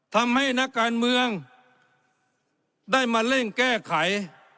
ทำให้นักการเมืองได้มาเร่งแก้ไข